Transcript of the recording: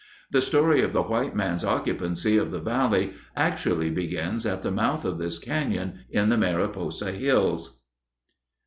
The story of the white man's occupancy of the valley actually begins at the mouth of this canyon in the Mariposa hills.